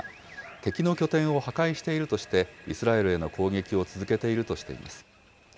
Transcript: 敵の拠点を破壊しているとして、イスラエルへの攻撃を続けているとしています。